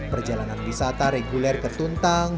perjalanan wisata reguler ke tuntang